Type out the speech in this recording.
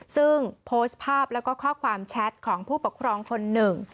ซึ่งโพสต์ภาพแล้วก็ข้อความแชทของผู้ปกครองคนหนึ่ง